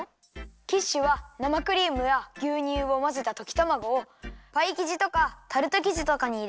キッシュはなまクリームやぎゅうにゅうをまぜたときたまごをパイきじとかタルトきじとかにいれてやくりょうりだよ。